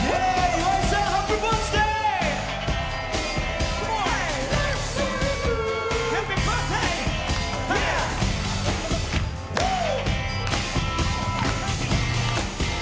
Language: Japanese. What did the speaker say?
岩井さん、ハッピーバースデー！